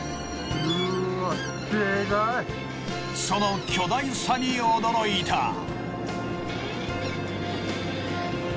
その巨大さに驚いた。